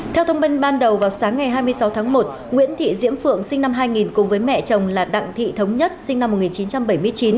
theo thông tin ban đầu vào sáng ngày hai mươi sáu tháng một nguyễn thị diễm phượng sinh năm hai nghìn cùng với mẹ chồng là đặng thị thống nhất sinh năm một nghìn chín trăm bảy mươi chín